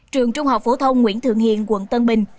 trường trung học phổ thông nguyễn thượng hiền quận tân bình